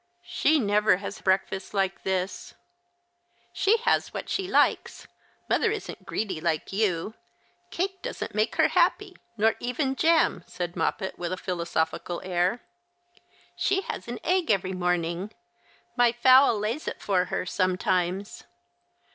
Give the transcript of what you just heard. " She never has breakfast like this." " She has what she likes. Mother isn't greedy like you. Cake doesn't make her happy, nor even jam," said Moppet, with a philosophical air. "She has an egg every morning. My fowl lays it for her, sometimes."